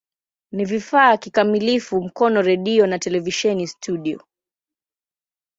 Ni vifaa kikamilifu Mkono redio na televisheni studio.